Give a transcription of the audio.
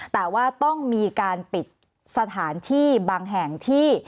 แต่ว่าต้องมีการปิดสถานที่บางแห่งที่